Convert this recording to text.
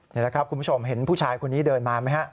นี่แหละครับคุณผู้ชมเห็นผู้ชายคนนี้เดินมาไหมฮะ